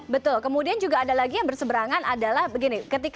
betul kemudian juga ada lagi yang berseberangan adalah begini